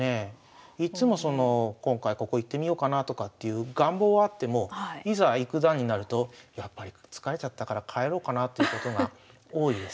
いっつもその今回ここ行ってみようかなとかっていう願望はあってもいざ行く段になるとやっぱり疲れちゃったから帰ろうかなっていうことが多いですね。